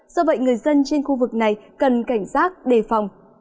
do vậy người dân trên khu vực này cần cảnh giác đề phòng